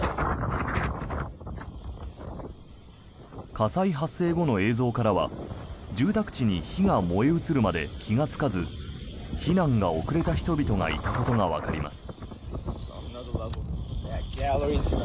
火災発生後の映像からは住宅地に火が燃え移るまで気がつかず避難が遅れた人々がいたことがわかります。